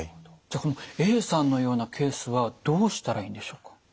じゃこのＡさんのようなケースはどうしたらいいんでしょうか？